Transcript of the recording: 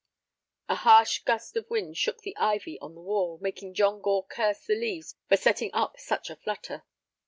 A harsh gust of wind shook the ivy on the wall, making John Gore curse the leaves for setting up such a flutter.